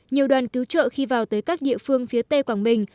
nhiều đoàn cứu trợ khi vào tới các địa phương phía tây quảng bình